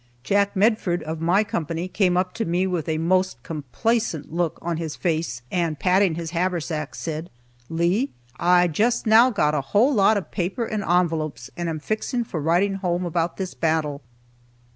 Jack Medford of my company came up to me with a most complacent look on his face, and patting his haversack, said, "Lee, I just now got a whole lot of paper and envelopes, and am all fixed for writing home about this battle."